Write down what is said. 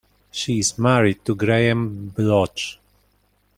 She is married to Graham Bloch.